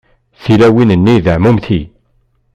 Tilawin-nni d εmumti.